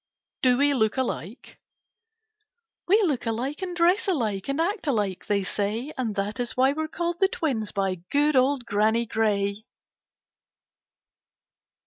DO WE LOOK ALIKE We look alike and dress alike, And act alike, they say, And that is why we 're called the Twins By good old Granny Gray.